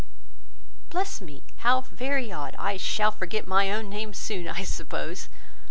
"Bless me! how very odd! I shall forget my own name soon, I suppose.